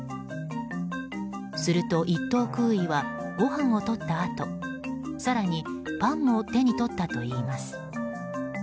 すると、１等空尉はご飯を取ったあと更にパンも手に取ったといいます。